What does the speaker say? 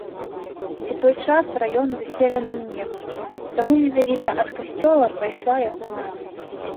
У той час раён заселеным не быў, таму менавіта ад касцёла пайшла яго назва.